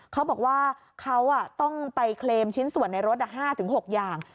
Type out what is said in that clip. เขาบอกว่าเขาต้องไปเคลมชิ้นส่วนในรถ๕๖อย่าง